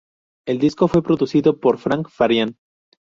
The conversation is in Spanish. El disco fue producido por Frank Farian.